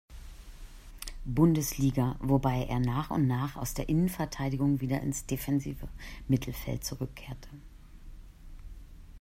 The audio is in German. Bundesliga, wobei er nach und nach aus der Innenverteidigung wieder ins defensive Mittelfeld zurückkehrte.